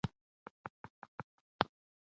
انګریزان د جګړې ډګر ته را دانګلي.